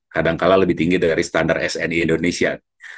kadangkala lebih tinggi dari standar s e indonesia